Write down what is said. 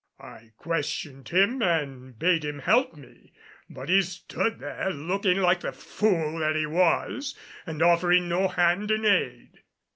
I questioned him and bade him help me, but he stood there looking like the fool that he was and offering no hand in aid.